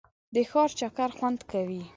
د ښار چکر خوند کوي.